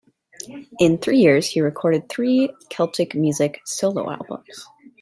In three years, he record three Celtic music solo-albums.